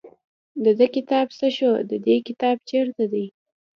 د ده کتاب څه شو د دې کتاب چېرته دی.